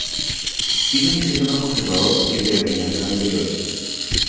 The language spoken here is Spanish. Tiene un diseño más conservador que el de la generación anterior.